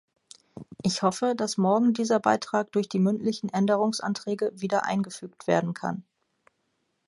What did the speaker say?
Ich hoffe, dass morgen dieser Beitrag durch die mündlichen Änderungsanträge wieder eingefügt werden kann.